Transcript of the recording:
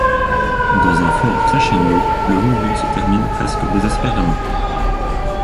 Dans un fort crescendo, le mouvement se termine presque désespérément.